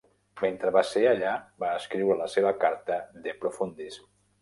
Mentre va ser allà, va escriure la seva carta "De Profundis".